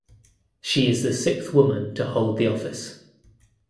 She is the sixth woman to hold the office.